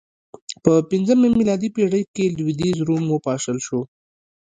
په پنځمه میلادي پېړۍ کې لوېدیځ روم وپاشل شو